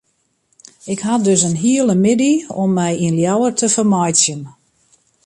Ik ha dus in hiele middei om my yn Ljouwert te fermeitsjen.